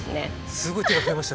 すごい手が増えましたね。